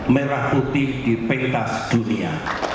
merah putih di pentas dunia